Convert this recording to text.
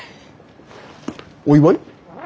お祝い？